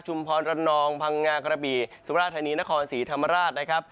ชุมพรนองภังงากระบีสวรรษณียนครศรีธรรมราชนะครับ